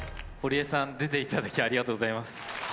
堀江さん、出ていただきありがとうございます。